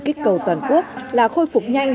kích cầu toàn quốc là khôi phục nhanh